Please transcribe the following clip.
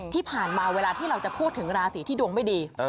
ที่ผ่านมาเวลาที่เราจะพูดถึงราศีที่ดวงไม่ดี